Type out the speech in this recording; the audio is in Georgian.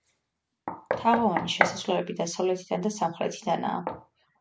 თაღოვანი შესასვლელები დასავლეთიდან და სამხრეთიდანაა.